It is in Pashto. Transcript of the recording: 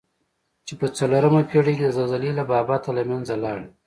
چې په څلورمه پېړۍ کې د زلزلې له بابته له منځه لاړه.